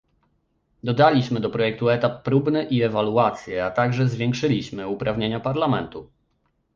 Dodaliśmy do projektu etap próbny i ewaluacje, a także zwiększyliśmy uprawnienia Parlamentu